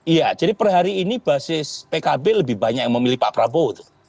iya jadi per hari ini basis pkb lebih banyak yang memilih pak prabowo